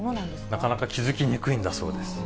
なかなか気付きにくいんだそうです。